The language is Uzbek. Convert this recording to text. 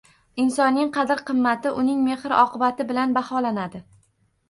Insonning qadr-qimmati uning mehr oqibati bilan baholanadi